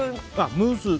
ムースだ。